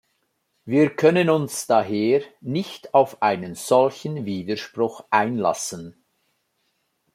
Wir können uns daher nicht auf einen solchen Widerspruch einlassen.